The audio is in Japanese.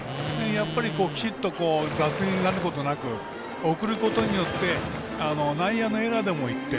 やっぱり、きちっと雑になることなく送ることによって内野のエラーでも１点。